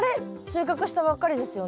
収穫したばっかりですよね。